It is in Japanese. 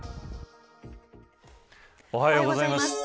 おはようございます。